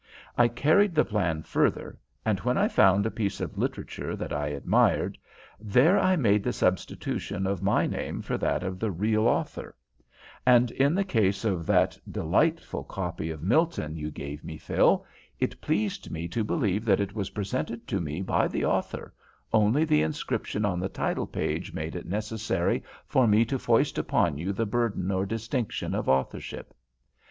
I carried the plan further, and where I found a piece of literature that I admired, there I made the substitution of my name for that of the real author, and in the case of that delightful copy of Milton you gave me, Phil, it pleased me to believe that it was presented to me by the author, only the inscription on the title page made it necessary for me to foist upon you the burden or distinction of authorship.